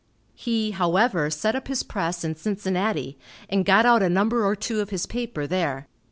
He, however, set up his press in Cincinnati, and got out a number or two of his paper there.